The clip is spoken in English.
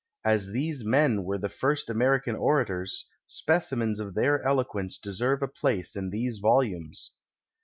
As these men were the first American ora tors, specimens of their eloquence deserve a place in these volumes.